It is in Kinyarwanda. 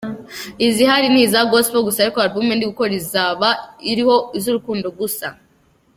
Izihari ni iza Gospel gusa, ariko album ndi gukora izaba iriho iz’urukundo gusa.